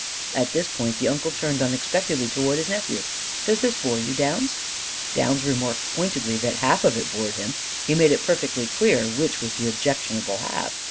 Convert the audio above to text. At this point the uncle turned unexpectedly toward his nephew: "Does this bore you, Downs?" Downs remarked pointedly that half of it bored him: he made it perfectly clear which was the objectionable half.